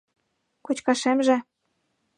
— Кочкашемже...